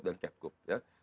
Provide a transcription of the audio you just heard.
kita keluarkan pergub dan kegub